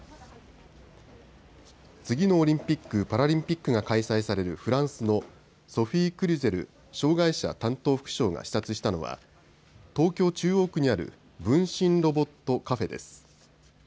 次のオリンピック・パラリンピックが開催されるフランスのソフィー・クリュゼル障害者担当副相が視察したのは東京中央区にある分身ロボットカフェです。